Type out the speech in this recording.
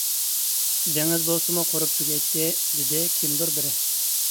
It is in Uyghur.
-دېڭىز بولسىمۇ قۇرۇپ تۈگەيتتى، -دېدى كىمدۇر بىرى.